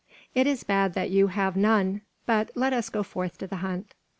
It is bad that you have none, but let us go forth to the hunt."